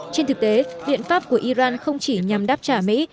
trên thực tế biện pháp của iran không chỉ nhằm đáp trả mỹ